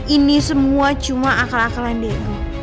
ini semua cuma akal akalan deh